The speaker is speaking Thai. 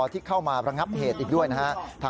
ที่เข้ามาระงับเหตุอีกด้วยนะฮะ